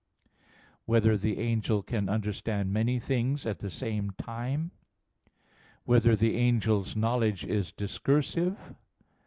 (2) Whether the angel can understand many things at the same time? (3) Whether the angel's knowledge is discursive?